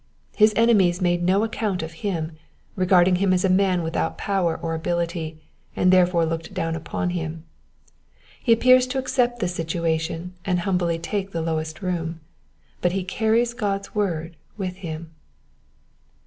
His enemies made no account of him, regarded him as a man without power or ability, and therefore looked down upon him. He appears to accept the situation and humbly take the lowest room, but he carries God's word with him.